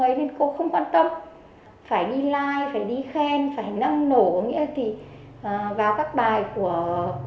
ấy đi cô không quan tâm phải đi like phải đi khen phải nâng nổ nghĩa thì và các bài của cô ấy thì